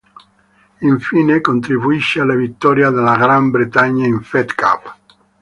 Infine contribuisce alla vittoria della Gran Bretagna in Fed Cup.